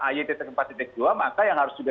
ayd empat dua maka yang harus juga